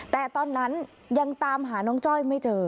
แต่ตอนนั้นยังตามหาน้องจ้อยไม่เจอ